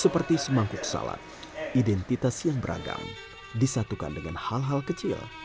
seperti semangkuk salad identitas yang beragam disatukan dengan hal hal kecil